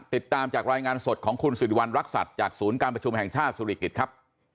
ติดตามจากรายงานสดของคุณสิริวัณรักษัตริย์จากศูนย์การประชุมแห่งชาติสุริกิจครับ